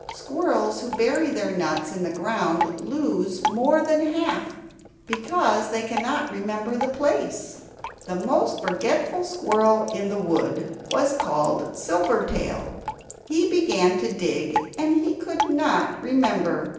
Squirrels who bury their nuts in the ground lose more than half, because they cannot remember the place. The most forgetful squirrel in the wood was called Silvertail. He began to dig, and he could not remember.